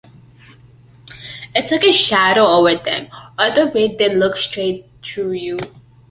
It's like a shadow over them, or the way they look straight through you.